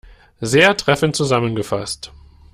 Sehr treffend zusammengefasst!